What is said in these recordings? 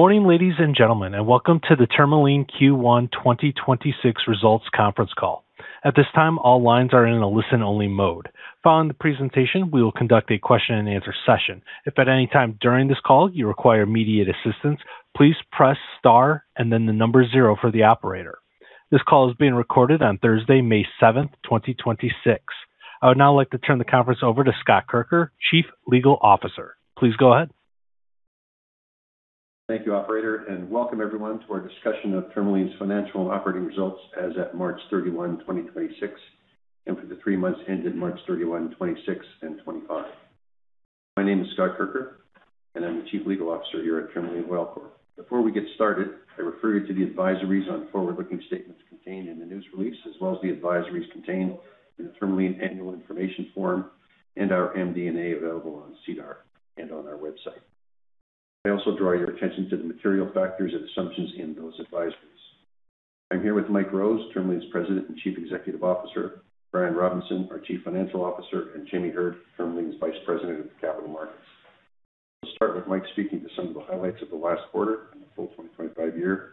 Morning, ladies and gentlemen, and welcome to the Tourmaline Q1 2026 results conference call. At this time, all lines are in a listen-only mode. Following the presentation, we will conduct a question-and-answer session. If at any time during this call you require immediate assistance, please press star and then the number zero for the operator. This call is being recorded on Thursday, May 7th, 2026. I would now like to turn the conference over to Scott Kirker, Chief Legal Officer. Please go ahead. Thank you, operator, welcome everyone to our discussion of Tourmaline's financial and operating results as at March 31, 2026, and for the three months ended March 31, 2026 and 2025. My name is Scott Kirker, and I'm the Chief Legal Officer here at Tourmaline Oil Corp. Before we get started, I refer you to the advisories on forward-looking statements contained in the news release, as well as the advisories contained in the Tourmaline annual information form and our MD&A available on SEDAR and on our website. I also draw your attention to the material factors and assumptions in those advisories. I'm here with Mike Rose, Tourmaline's President and Chief Executive Officer, Brian Robinson, our Chief Financial Officer, and Jamie Heard, Tourmaline's Vice President of Capital Markets. We'll start with Mike speaking to some of the highlights of the last quarter and the full 2025 year.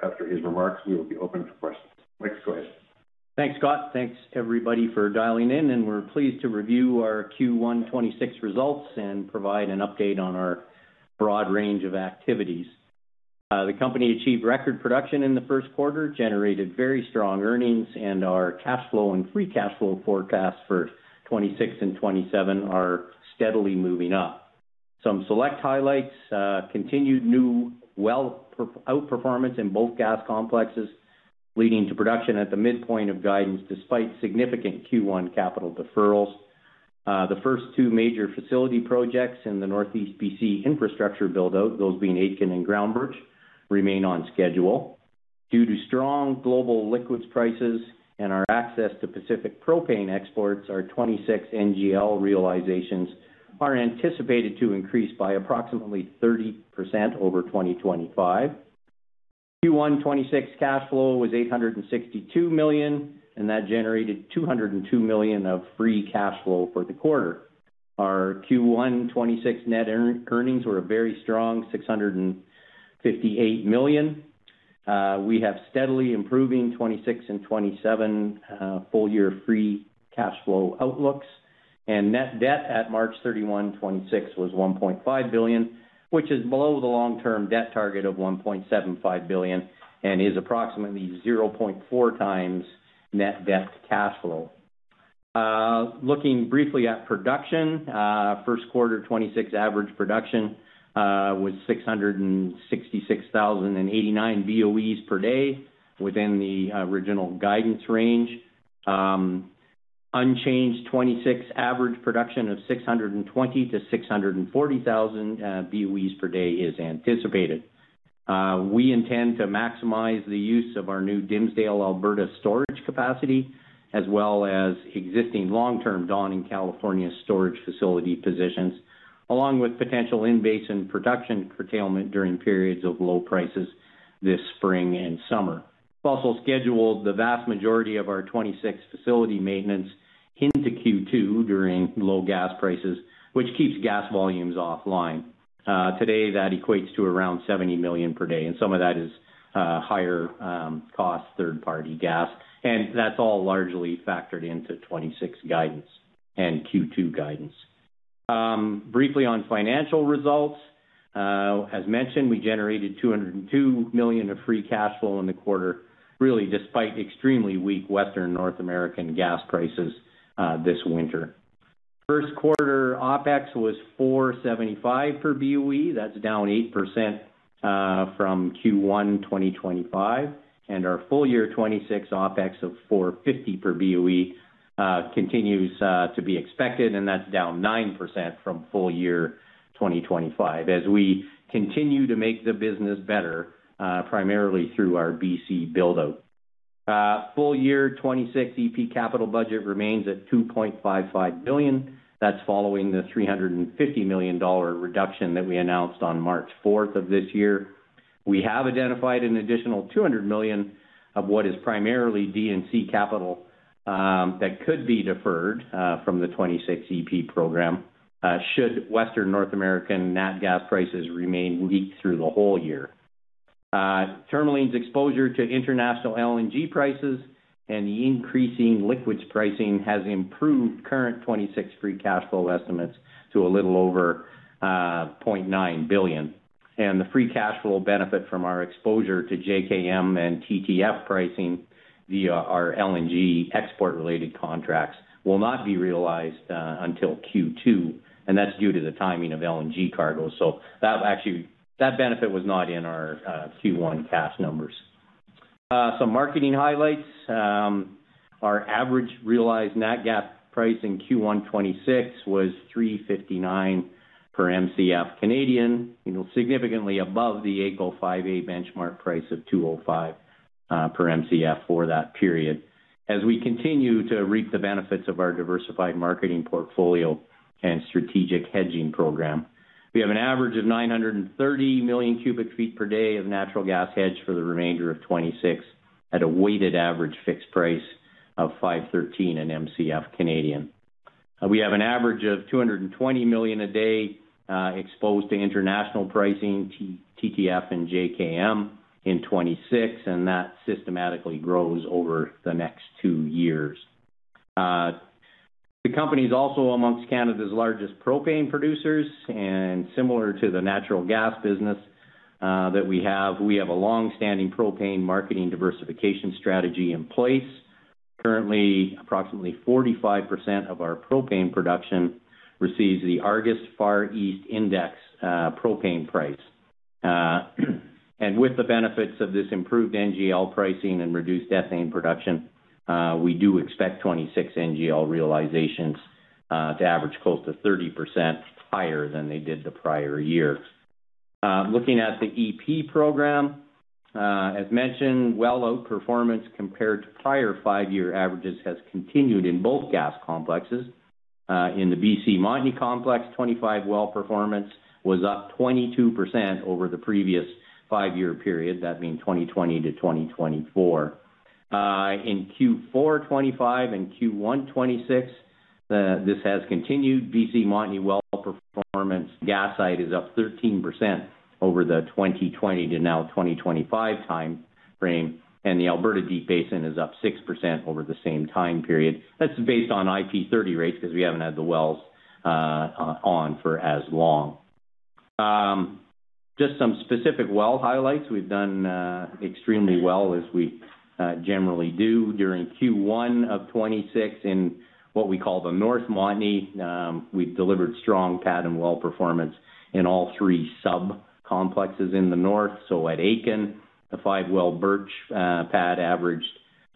After his remarks, we will be open for questions. Mike, go ahead. Thanks, Scott. Thanks, everybody for dialing in, and we're pleased to review our Q1 2026 results and provide an update on our broad range of activities. The company achieved record production in the first quarter, generated very strong earnings, and our cash flow and free cash flow forecast for 2026 and 2027 are steadily moving up. Some select highlights, continued new well outperformance in both gas complexes, leading to production at the midpoint of guidance despite significant Q1 capital deferrals. The first two major facility projects in the Northeast B.C. infrastructure build-out, those being Aitken and Groundbirch, remain on schedule. Due to strong global liquids prices and our access to Pacific propane exports, our 2026 NGL realizations are anticipated to increase by approximately 30% over 2025. Q1 2026 cash flow was 862 million. That generated 202 million of free cash flow for the quarter. Our Q1 2026 net earnings were a very strong 658 million. We have steadily improving 2026 and 2027 full-year free cash flow outlooks. Net debt at March 31, 2026 was 1.5 billion, which is below the long-term debt target of 1.75 billion and is approximately 0.4x net debt to cash flow. Looking briefly at production, first quarter 2026 average production was 666,089 BOEs per day within the original guidance range. Unchanged 2026 average production of 620,000 BOE-640,000 BOEs per day is anticipated. We intend to maximize the use of our new Dimsdale, Alberta storage capacity, as well as existing long-term Dawn in California storage facility positions, along with potential in-basin production curtailment during periods of low prices this spring and summer. We've also scheduled the vast majority of our 2026 facility maintenance into Q2 during low gas prices, which keeps gas volumes offline. Today, that equates to around 70 million per day, and some of that is higher cost third-party gas. That's all largely factored into 2026 guidance and Q2 guidance. Briefly on financial results, as mentioned, we generated 202 million of free cash flow in the quarter, really despite extremely weak Western North American gas prices this winter. First quarter OpEx was 4.75 per BOE. That's down 8% from Q1 2025. Our full year 2026 OpEx of 4.50 per BOE continues to be expected, and that's down 9% from full year 2025 as we continue to make the business better, primarily through our BC build-out. Full year 2026 E&P capital budget remains at 2.55 billion. That's following the 350 million dollar reduction that we announced on March 4th of this year. We have identified an additional 200 million of what is primarily D&C capital that could be deferred from the 2026 E&P program should Western North American nat gas prices remain weak through the whole year. Tourmaline's exposure to international LNG prices and the increasing liquids pricing has improved current 2026 free cash flow estimates to a little over 0.9 billion. The free cash flow benefit from our exposure to JKM and TTF pricing via our LNG export-related contracts will not be realized until Q2, and that's due to the timing of LNG cargos. That benefit was not in our Q1 cash numbers. Some marketing highlights, our average realized nat gas price in Q1 2026 was 3.59 per Mcf, you know, significantly above the AECO 5A benchmark price of 2.05 per Mcf for that period as we continue to reap the benefits of our diversified marketing portfolio and strategic hedging program. We have an average of 930 million cubic feet per day of natural gas hedge for the remainder of 2026 at a weighted average fixed price of 5.13 per Mcf. We have an average of 220 million a day exposed to international pricing, TTF and JKM in 2026, that systematically grows over the next two years. The company is also amongst Canada's largest propane producers similar to the natural gas business that we have, we have a long-standing propane marketing diversification strategy in place. Currently, approximately 45% of our propane production receives the Argus Far East Index propane price. With the benefits of this improved NGL pricing and reduced ethane production, we do expect 2026 NGL realizations to average close to 30% higher than they did the prior year. Looking at the E&P program, as mentioned, well out performance compared to prior five-year averages has continued in both gas complexes. In the BC Montney complex, 25 well performance was up 22% over the previous five-year period. That being 2020-2024. In Q4 2025 and Q1 2026, this has continued BC Montney well performance. Gas side is up 13% over the 2020 to now 2025 time frame, and the Alberta Deep Basin is up 6% over the same time period. That's based on IP30 rates because we haven't had the wells on for as long. Just some specific well highlights. We've done extremely well as we generally do during Q1 of 2026 in what we call the North Montney. We've delivered strong pad and well performance in all three sub-complexes in the north. At Aitken, the five well Birch pad averaged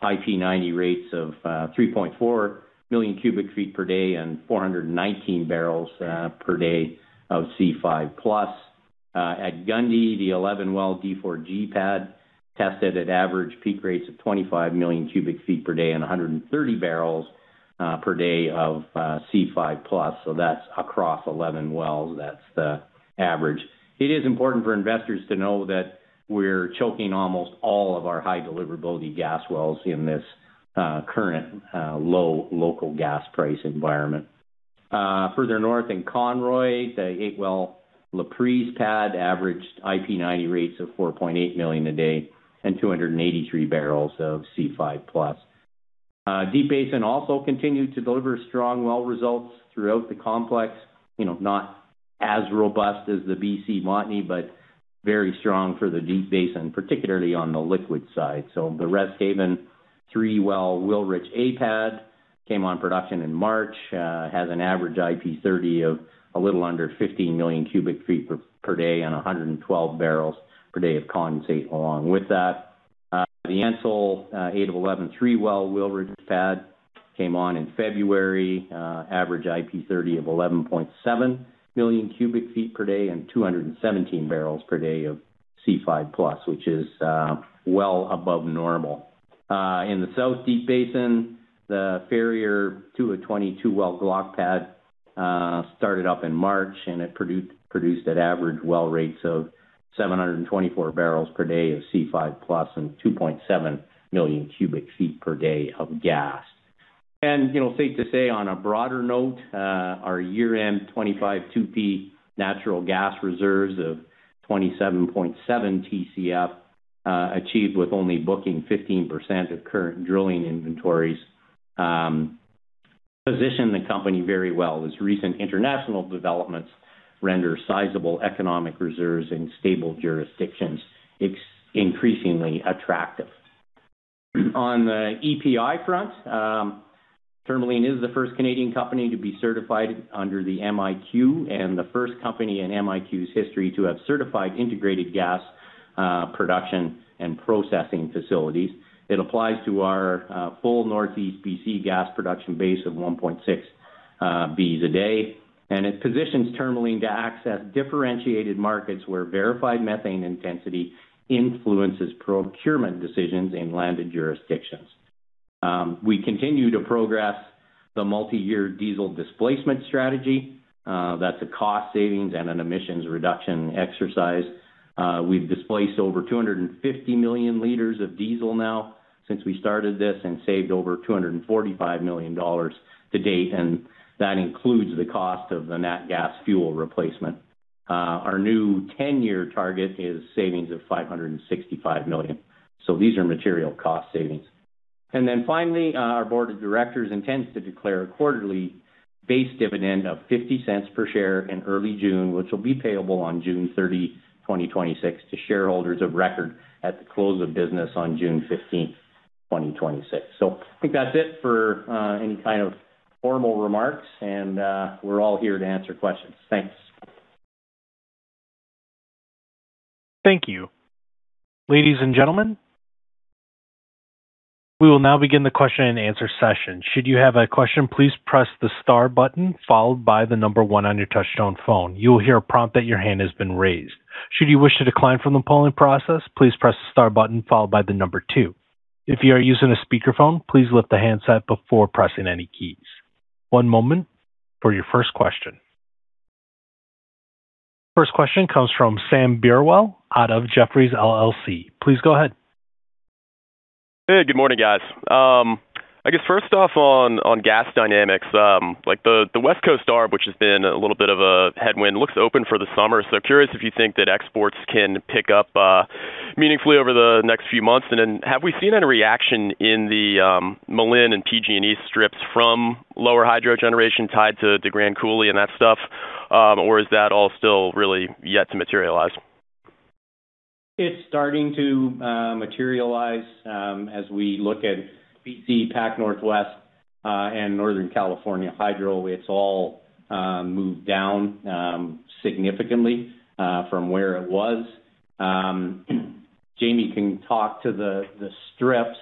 IP90 rates of 3.4 million cubic feet per day and 419 barrels per day of C5+. At Gundy, the eleven well d-4-G pad tested at average peak rates of 25 million cubic feet per day and 130 barrels per day of C5+. That's across eleven wells. That's the average. It is important for investors to know that we're choking almost all of our high deliverability gas wells in this current low local gas price environment. Further north in Conroy, the eight well Laprise pad averaged IP90 rates of 4.8 million a day and 283 barrels of C5+. Deep Basin also continued to deliver strong well results throughout the complex. You know, not as robust as the BC Montney, but very strong for the Deep Basin, particularly on the liquid side. The Resthaven three-well Wilrich A pad came on production in March, has an average IP30 of a little under 15 million cubic feet per day and 112 barrels per day of condensate along with that. The Ansell, 08-11 three well Wilrich pad came on in February. Average IP30 of 11.7 million cubic feet per day and 217 barrels per day of C5+, which is well above normal. In the South Deep Basin, the Farrier 02-20 two-well Glauconite pad started up in March, and it produced at average well rates of 724 barrels per day of C5+ and 2.7 million cubic feet per day of gas. You know, safe to say on a broader note, our year-end 2025 2P natural gas reserves of 27.7 Tcf, achieved with only booking 15% of current drilling inventories, position the company very well as recent international developments render sizable economic reserves in stable jurisdictions ex-increasingly attractive. On the EPI front, Tourmaline is the first Canadian company to be certified under the MiQ and the first company in MiQ's history to have certified integrated gas production and processing facilities. It applies to our full Northeast BC gas production base of 1.6 BCF a day, and it positions Tourmaline to access differentiated markets where verified methane intensity influences procurement decisions in landed jurisdictions. We continue to progress the multi-year diesel displacement strategy. That's a cost savings and an emissions reduction exercise. We've displaced over 250 million liters of diesel now since we started this and saved over 245 million dollars to date, and that includes the cost of the nat gas fuel replacement. Our new 10-year target is savings of 565 million. These are material cost savings. Finally, our board of directors intends to declare a quarterly base dividend of 0.50 per share in early June, which will be payable on June 30, 2026 to shareholders of record at the close of business on June 15, 2026. I think that's it for any kind of formal remarks, and we're all here to answer questions. Thanks. Thank you. Ladies and gentlemen, we will now begin the question-and-answer session. Should you have a question, please press the star button followed by one on your touchtone phone. You will hear a prompt that your hand has been raised. Should you wish to decline from the polling process, please press the star button followed by two. If you are using a speakerphone, please lift the handset before pressing any keys. One moment for your first question. First question comes from Sam Burwell out of Jefferies LLC. Please go ahead. Hey, good morning, guys. I guess first off on gas dynamics, like the West Coast arb, which has been a little bit of a headwind, looks open for the summer. Curious if you think that exports can pick up meaningfully over the next few months. Have we seen any reaction in the Malin and PG&E strips from lower hydro generation tied to the Grand Coulee and that stuff? It's starting to materialize, as we look at BC Pac Northwest and Northern California Hydro, it's all moved down significantly from where it was. Jamie can talk to the strips.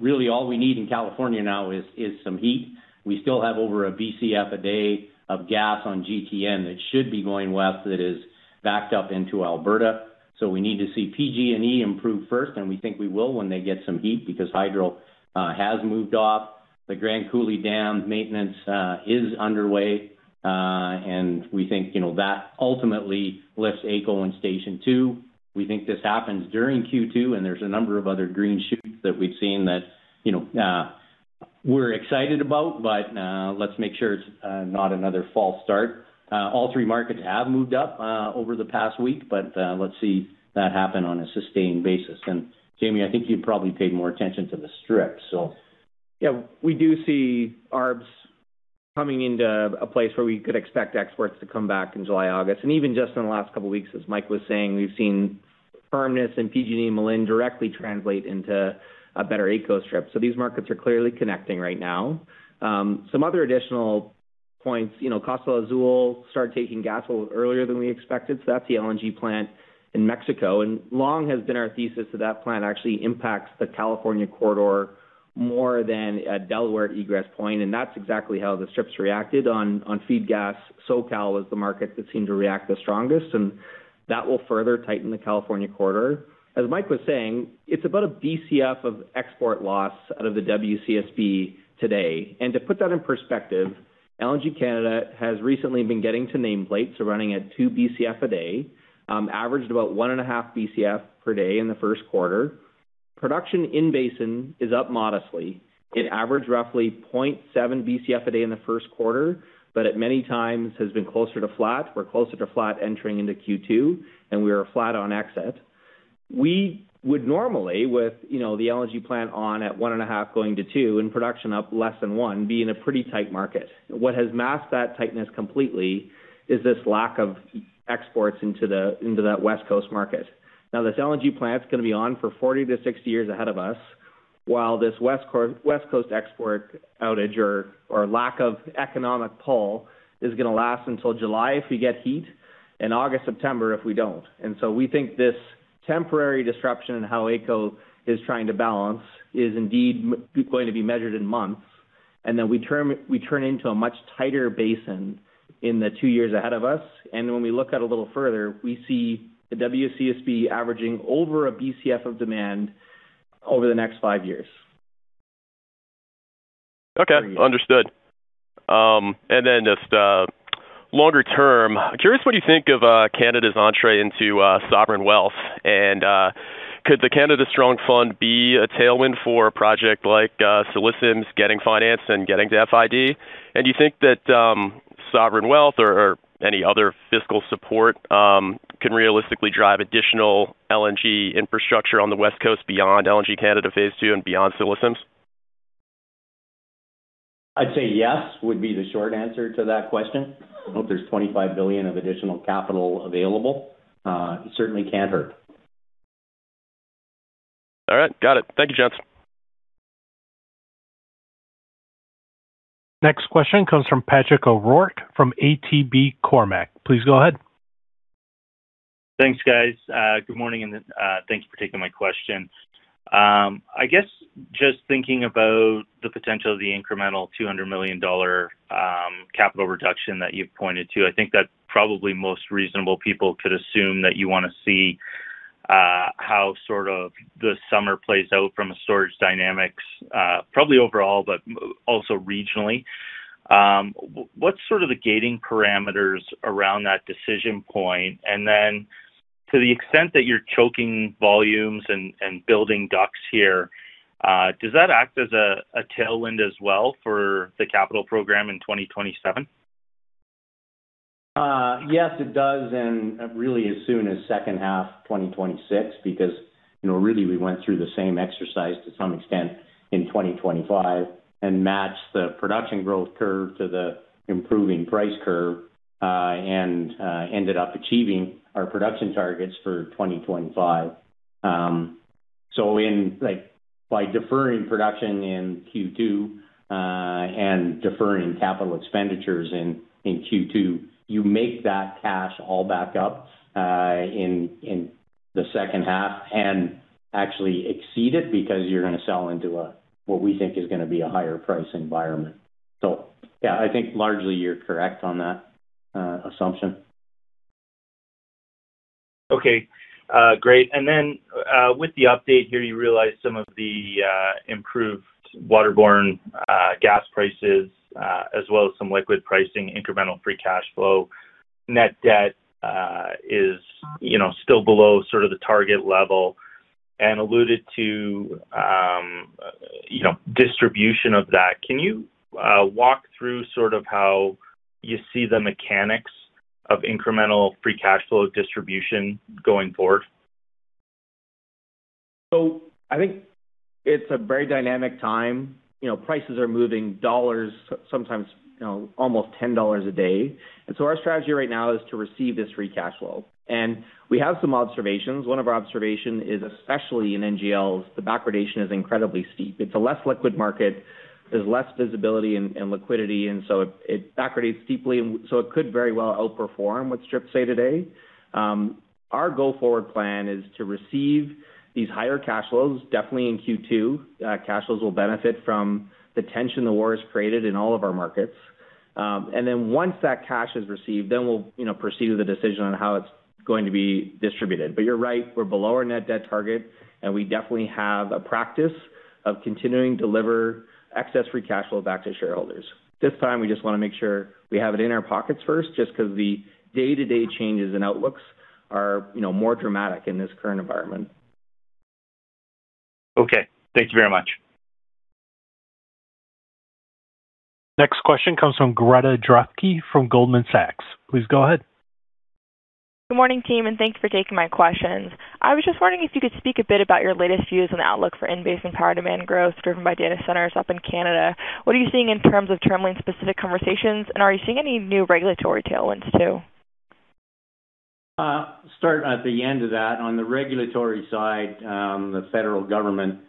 Really all we need in California now is some heat. We still have over 1 BCF a day of gas on GTN that should be going west that is backed up into Alberta. We need to see PG&E improve first, and we think we will when they get some heat because hydro has moved off. The Grand Coulee Dam maintenance is underway. We think, you know, that ultimately lifts AECO and Station 2. We think this happens during Q2, there's a number of other green shoots that we've seen that, you know, we're excited about. Let's make sure it's not another false start. All three markets have moved up over the past week, but let's see that happen on a sustained basis. Jamie, I think you've probably paid more attention to the strip. Yeah. We do see arbs coming into a place where we could expect exports to come back in July, August. Even just in the last couple weeks, as Mike was saying, we've seen firmness in PG&E and Malin directly translate into a better AECO strip. These markets are clearly connecting right now. Some other additional points. You know, Costa Azul started taking gas a little earlier than we expected. That's the LNG plant in Mexico. Long has been our thesis that that plant actually impacts the California corridor more than a Delaware egress point, and that's exactly how the strips reacted on feed gas. SoCal is the market that seemed to react the strongest, and that will further tighten the California corridor. As Mike Rose was saying, it's about a BCF of export loss out of the WCSB today. To put that in perspective, LNG Canada has recently been getting to nameplate, so running at 2 BCF a day. Averaged about 1.5 BCF per day in the first quarter. Production in basin is up modestly. It averaged roughly 0.7 BCF a day in the first quarter, but at many times has been closer to flat. We are closer to flat entering into Q2, and we are flat on exit. We would normally, with, you know, the LNG plant on at 1.5 going to 2 and production up less than 1, be in a pretty tight market. What has masked that tightness completely is this lack of exports into that West Coast market. This LNG plant's going to be on for 40 years-60 years ahead of us, while this West Coast export outage or lack of economic pull is going to last until July if we get heat, and August, September if we don't. We think this temporary disruption in how AECO is trying to balance is indeed going to be measured in months, and then we turn into a much tighter basin in the two years ahead of us. When we look out a little further, we see the WCSB averaging over a BCF of demand over the next five years. Okay. Understood. Then just longer term, curious what you think of Canada's entree into sovereign wealth. Could the Canada Strong Fund be a tailwind for a project like Cedar LNG's getting financed and getting to FID? Do you think that sovereign wealth or any other fiscal support can realistically drive additional LNG infrastructure on the West Coast beyond LNG Canada Phase 2 and beyond Cedar LNG's? I'd say yes would be the short answer to that question. If there's 25 billion of additional capital available, it certainly can't hurt. All right. Got it. Thank you, gents. Next question comes from Patrick O'Rourke from ATB Cormark. Please go ahead. Thanks, guys. Good morning, thank you for taking my question. I guess just thinking about the potential of the incremental 200 million dollar capital reduction that you've pointed to, I think that probably most reasonable people could assume that you want to see how sort of the summer plays out from a storage dynamics, probably overall, but also regionally. What's sort of the gating parameters around that decision point? Then to the extent that you're choking volumes and building stocks here, does that act as a tailwind as well for the capital program in 2027? Yes, it does. Really as soon as second half 2026 because, you know, really we went through the same exercise to some extent in 2025 and matched the production growth curve to the improving price curve, and ended up achieving our production targets for 2025. In, like, by deferring production in Q2, and deferring capital expenditures in Q2, you make that cash all back up, in the second half and actually exceed it because you're gonna sell into a, what we think is gonna be a higher price environment. Yeah, I think largely you're correct on that assumption. Okay. Great. With the update here, you realize some of the improved waterborne gas prices, as well as some liquid pricing, incremental free cash flow. Net debt is, you know, still below sort of the target level and alluded to, you know, distribution of that. Can you walk through sort of how you see the mechanics of incremental free cash flow distribution going forward? I think it's a very dynamic time. You know, prices are moving dollars sometimes, you know, almost 10 dollars a day. Our strategy right now is to receive this free cash flow. We have some observations. One of our observation is, especially in NGLs, the backwardation is incredibly steep. It's a less liquid market. There's less visibility and liquidity, and so it backwardates steeply, and so it could very well outperform what strips say today. Our go-forward plan is to receive these higher cash flows. Definitely in Q2, cash flows will benefit from the tension the war has created in all of our markets. Once that cash is received, then we'll, you know, proceed with a decision on how it's going to be distributed. You're right. We're below our net debt target, and we definitely have a practice of continuing to deliver excess free cash flow back to shareholders. This time we just wanna make sure we have it in our pockets first, just 'cause the day-to-day changes and outlooks are, you know, more dramatic in this current environment. Okay. Thank you very much. Next question comes from Greta Drefke from Goldman Sachs. Please go ahead. Good morning, team, thanks for taking my questions. I was just wondering if you could speak a bit about your latest views on the outlook for in-basin power demand growth driven by data centers up in Canada. What are you seeing in terms of Tourmaline's-specific conversations, and are you seeing any new regulatory tailwinds too? Start at the end of that. On the regulatory side, the federal government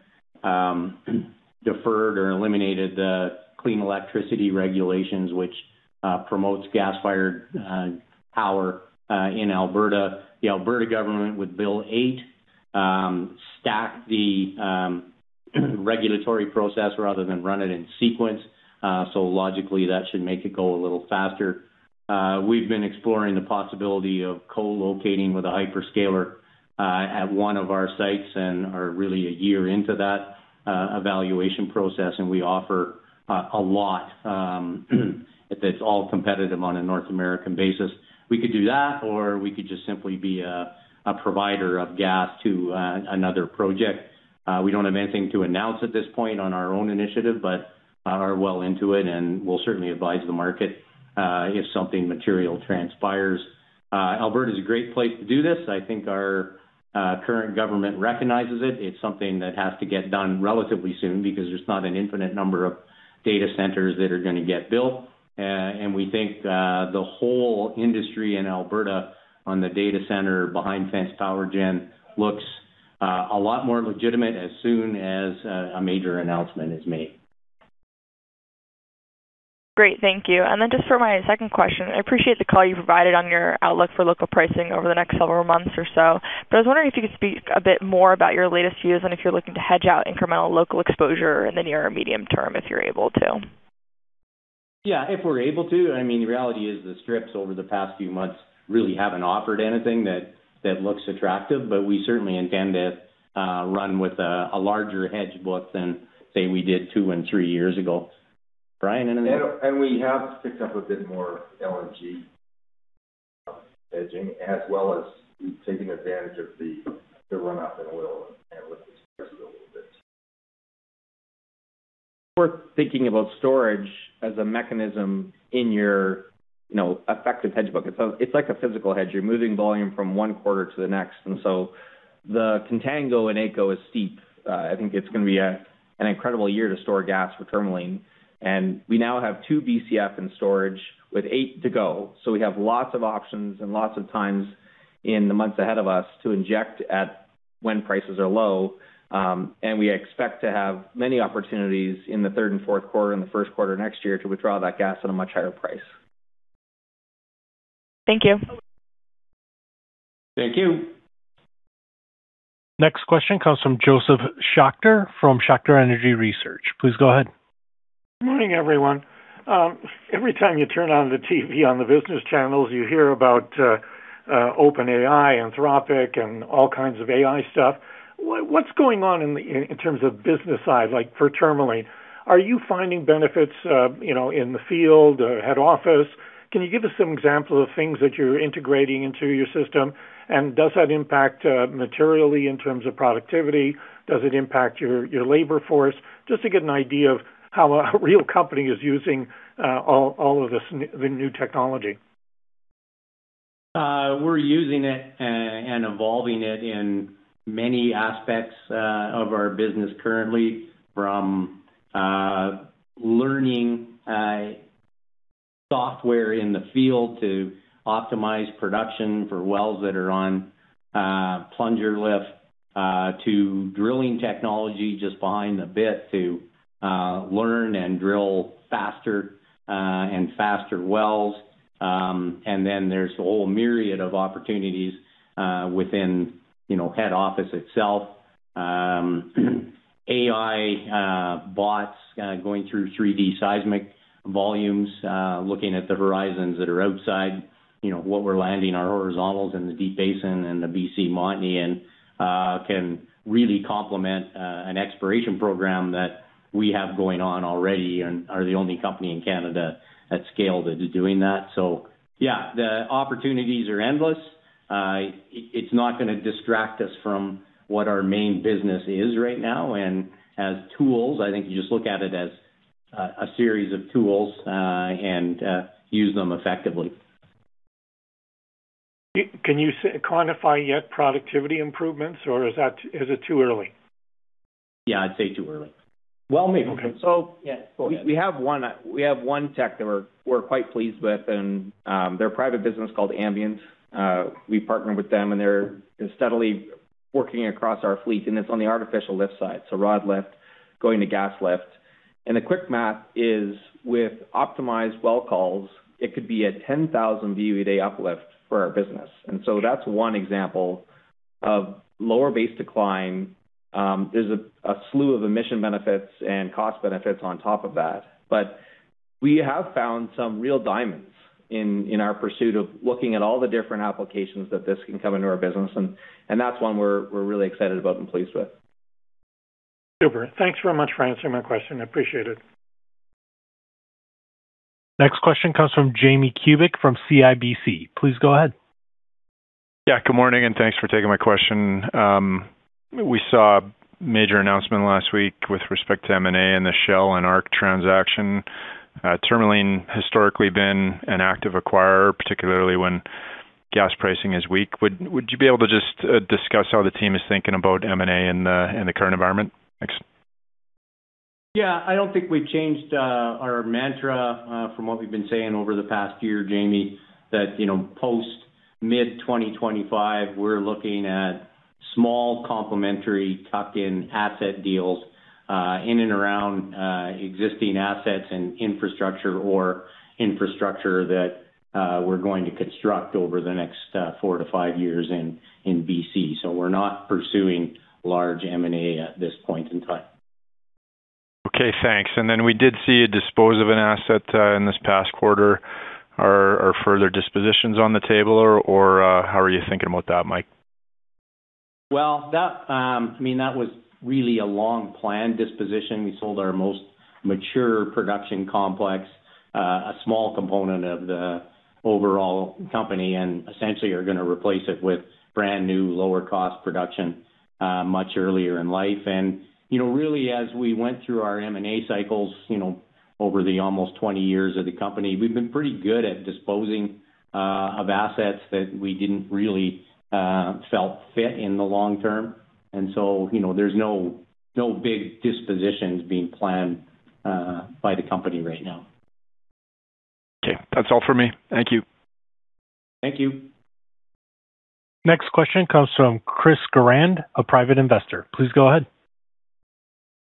deferred or eliminated the clean electricity regulations, which promotes gas-fired power in Alberta. The Alberta government with Bill 8 stacked the regulatory process rather than run it in sequence. Logically, that should make it go a little faster. We've been exploring the possibility of co-locating with a hyperscaler at one of our sites and are really a year into that evaluation process, and we offer a lot. If it's all competitive on a North American basis, we could do that or we could just simply be a provider of gas to another project. We don't have anything to announce at this point on our own initiative, but are well into it and will certainly advise the market if something material transpires. Alberta is a great place to do this. I think our current government recognizes it. It's something that has to get done relatively soon because there's not an infinite number of data centers that are gonna get built. We think the whole industry in Alberta on the data center behind fenced power gen looks a lot more legitimate as soon as a major announcement is made. Great. Thank you. Then just for my second question, I appreciate the color you provided on your outlook for local pricing over the next several months or so, but I was wondering if you could speak a bit more about your latest views and if you're looking to hedge out incremental local exposure in the near or medium term, if you're able to. Yeah, if we're able to. I mean, the reality is the strips over the past few months really haven't offered anything that looks attractive, but we certainly intend to run with a larger hedge book than, say, we did two and three years ago. Brian, anything? We have picked up a bit more LNG hedging, as well as taking advantage of the runoff in oil and lifting spreads a little bit. We're thinking about storage as a mechanism in your, you know, effective hedge book. It's like a physical hedge. You're moving volume from one quarter to the next. The contango in AECO is steep. I think it's gonna be an incredible year to store gas for Tourmaline. We now have 2 BCF in storage with 8 BCF to go. We have lots of options and lots of times in the months ahead of us to inject at when prices are low. We expect to have many opportunities in the third and fourth quarter and the first quarter next year to withdraw that gas at a much higher price. Thank you. Thank you. Next question comes from Josef Schachter from Schachter Energy Research. Please go ahead. Morning, everyone. Every time you turn on the TV on the business channels, you hear about OpenAI, Anthropic, and all kinds of AI stuff. What, what's going on in terms of business side, like for Tourmaline? Are you finding benefits, you know, in the field or head office? Can you give us some examples of things that you're integrating into your system? And does that impact materially in terms of productivity? Does it impact your labor force? Just to get an idea of how a real company is using all of this the new technology. We're using it and evolving it in many aspects of our business currently, from learning software in the field to optimize production for wells that are on plunger lift, to drilling technology just behind the bit to learn and drill faster and faster wells. Then there's a whole myriad of opportunities, within, you know, head office itself. AI bots going through 3D seismic volumes, looking at the horizons that are outside, you know, what we're landing our horizontals in the Deep Basin and the BC Montney, and can really complement an exploration program that we have going on already and are the only company in Canada at scale that is doing that. Yeah, the opportunities are endless. It's not gonna distract us from what our main business is right now. As tools, I think you just look at it as a series of tools, and use them effectively. Can you quantify yet productivity improvements or is it too early? Yeah, I'd say too early. Well, maybe. So- Yeah, go ahead. We have one tech that we're quite pleased with, and they're a private business called Ambyint. We've partnered with them, and they're steadily working across our fleet, and it's on the artificial lift side, so rod lift going to gas lift. The quick math is with optimized well calls, it could be a 10,000 BOE day uplift for our business. That's one example of lower base decline. There's a slew of emission benefits and cost benefits on top of that. We have found some real diamonds in our pursuit of looking at all the different applications that this can come into our business, and that's one we're really excited about and pleased with. Super. Thanks very much for answering my question. I appreciate it. Next question comes from Jamie Kubik from CIBC. Please go ahead. Yeah, good morning, and thanks for taking my question. We saw a major announcement last week with respect to M&A and the Shell and ARC transaction. Tourmaline historically been an active acquirer, particularly when gas pricing is weak. Would you be able to just discuss how the team is thinking about M&A in the current environment? Thanks. Yeah, I don't think we've changed our mantra from what we've been saying over the past year, Jamie, that, you know, post mid-2025, we're looking at small complementary tucked in asset deals in and around existing assets and infrastructure or infrastructure that we're going to construct over the next four to five years in BC. We're not pursuing large M&A at this point in time. Okay, thanks. We did see a dispose of an asset in this past quarter. Are further dispositions on the table or how are you thinking about that, Mike? Well, that, I mean, that was really a long-planned disposition. We sold our most mature production complex, a small component of the overall company, and essentially are gonna replace it with brand-new, lower-cost production, much earlier in life. You know, really, as we went through our M&A cycles, you know, over the almost 20 years of the company, we've been pretty good at disposing of assets that we didn't really felt fit in the long term. You know, there's no big dispositions being planned by the company right now. Okay. That's all for me. Thank you. Thank you. Next question comes from Chris Goran, a private investor. Please go ahead.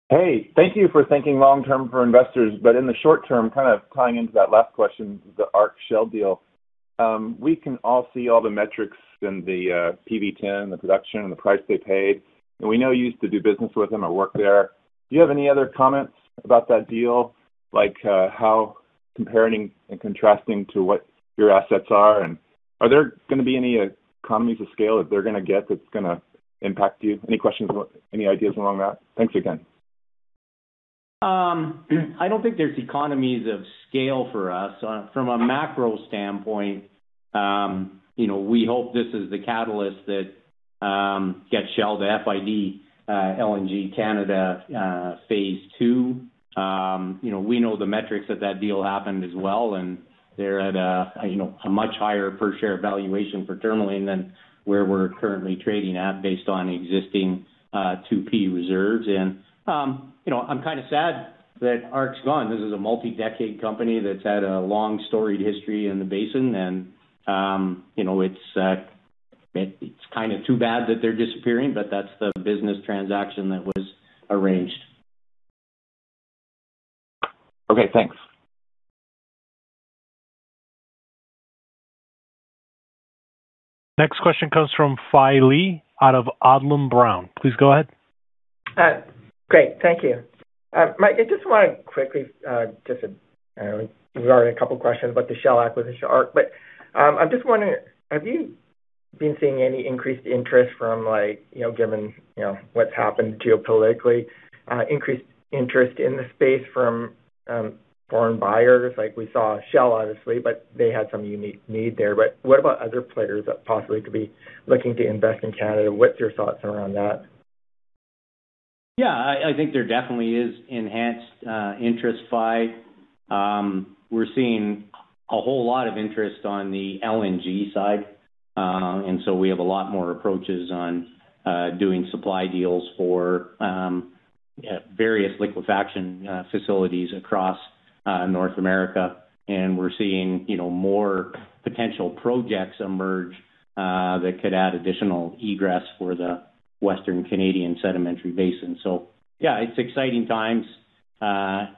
Hey, thank you for thinking long term for investors. In the short term, kind of tying into that last question, the ARC Shell deal, we can all see all the metrics in the PV10, the production and the price they paid, and we know you used to do business with them or worked there. Do you have any other comments about that deal, like, how comparing and contrasting to what your assets are? Are there gonna be any economies of scale that they're gonna get that's gonna impact you? Any questions or any ideas along that? Thanks again. I don't think there's economies of scale for us. From a macro standpoint, you know, we hope this is the catalyst that gets Shell to FID, LNG Canada, Phase 2. You know, we know the metrics that that deal happened as well, and they're at a, you know, a much higher per share valuation for Tourmaline than where we're currently trading at based on existing 2P reserves. You know, I'm kinda sad that ARC's gone. This is a multi-decade company that's had a long, storied history in the basin, and you know, it's kinda too bad that they're disappearing, but that's the business transaction that was arranged. Okay, thanks. Next question comes from Fai Lee out of Odlum Brown. Please go ahead. Great. Thank you. Mike, I just wanna quickly, you know, we've already a couple questions about the Shell acquisition, ARC, but I'm just wondering, have you been seeing any increased interest from like, you know, given, you know, what's happened geopolitically, increased interest in the space from foreign buyers? We saw Shell obviously, but they had some unique need there. What about other players that possibly could be looking to invest in Canada? What's your thoughts around that? Yeah, I think there definitely is enhanced interest, Fai. We're seeing a whole lot of interest on the LNG side. We have a lot more approaches on doing supply deals for various liquefaction facilities across North America. We're seeing, you know, more potential projects emerge that could add additional egress for the Western Canadian Sedimentary Basin. Yeah, it's exciting times. I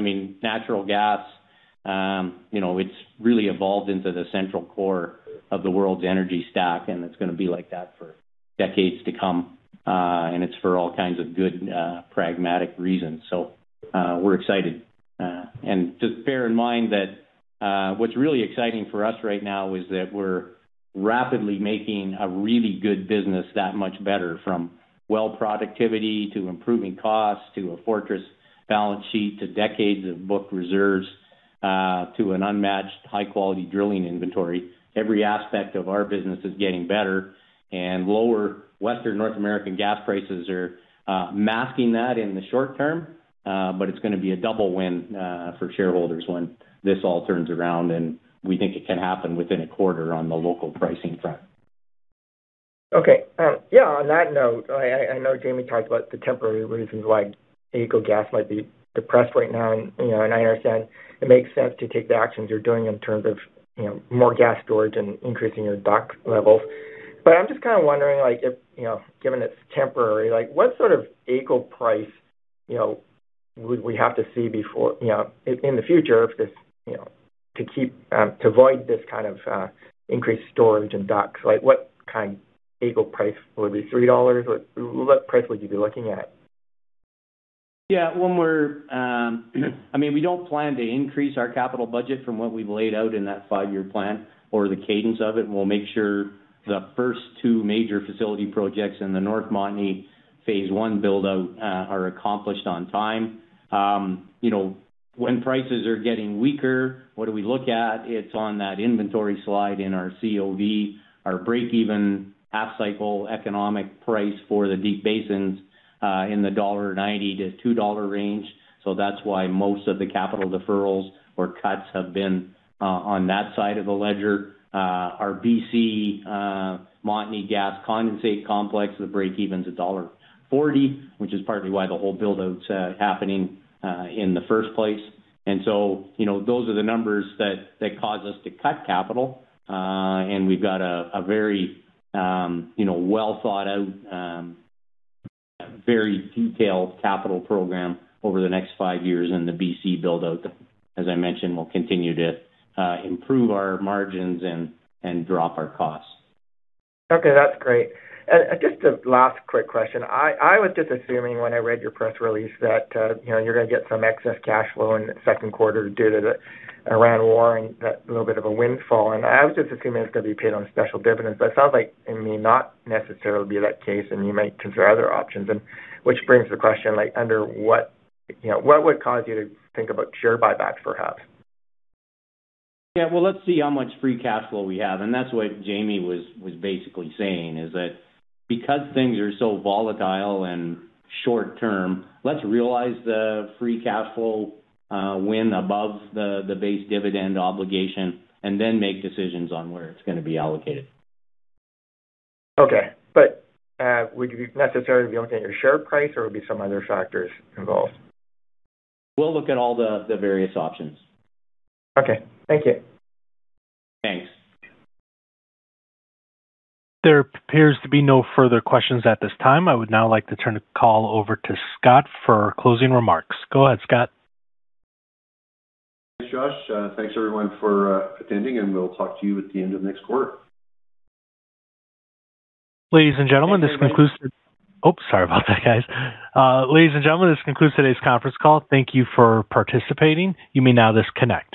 mean, natural gas, you know, it's really evolved into the central core of the world's energy stock, and it's gonna be like that for decades to come. It's for all kinds of good, pragmatic reasons. We're excited. Just bear in mind that what's really exciting for us right now is that we're rapidly making a really good business that much better from well productivity to improving costs, to a fortress balance sheet, to decades of booked reserves, to an unmatched high-quality drilling inventory. Every aspect of our business is getting better. Lower Western North American gas prices are masking that in the short term. It's gonna be a double win for shareholders when this all turns around, and we think it can happen within a quarter on the local pricing front. Okay. On that note, I know Jamie talked about the temporary reasons why AECO gas might be depressed right now and, you know, I understand it makes sense to take the actions you're doing in terms of, you know, more gas storage and increasing your dock levels. I'm just kind of wondering, like, if, you know, given it's temporary, like, what sort of AECO price, you know, would we have to see before you know, in the future if this, you know, to keep, to avoid this kind of, increased storage and docks, like, what kind of AECO price? Would it be 3 dollars? What price would you be looking at? When we're, I mean, we don't plan to increase our capital budget from what we've laid out in that five-year plan or the cadence of it, and we'll make sure the first two major facility projects in the North Montney Phase 1 build-out are accomplished on time. You know, when prices are getting weaker, what do we look at? It's on that inventory slide in our corporate presentation. Our break-even half cycle economic price for the Deep Basins in the 1.90-2.00 dollar range. That's why most of the capital deferrals or cuts have been on that side of the ledger. Our BC Montney Gas Condensate Complex, the break-even's dollar 1.40, which is partly why the whole build-out's happening in the first place. You know, those are the numbers that cause us to cut capital. We've got a very, you know, well thought out, very detailed capital program over the next five years in the BC build-out that, as I mentioned, will continue to improve our margins and drop our costs. Okay, that's great. Just a last quick question. I was just assuming when I read your press release that, you know, you're gonna get some excess cash flow in the second quarter due to the Iran war and that little bit of a windfall. I was just assuming it was gonna be paid on special dividends, but it sounds like it may not necessarily be that case and you might consider other options. Which brings the question, like, you know, what would cause you to think about share buyback perhaps? Yeah. Well, let's see how much free cash flow we have. That's what Jamie was basically saying, is that because things are so volatile and short term, let's realize the free cash flow win above the base dividend obligation, and then make decisions on where it's gonna be allocated. Okay. Would you be necessary to be looking at your share price or would be some other factors involved? We'll look at all the various options. Okay. Thank you. Thanks. There appears to be no further questions at this time. I would now like to turn the call over to Scott for closing remarks. Go ahead, Scott. Thanks, Josh. Thanks everyone for attending, and we'll talk to you at the end of next quarter. Ladies and gentlemen, this concludes. Oops, sorry about that, guys. Ladies and gentlemen, this concludes today's conference call. Thank you for participating. You may now disconnect.